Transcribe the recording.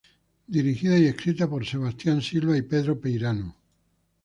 Dirigida y escrita por Sebastián Silva y Pedro Peirano.